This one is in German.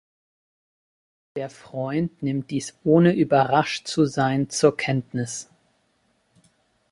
Der Freund nimmt dies ohne überrascht zu sein zur Kenntnis.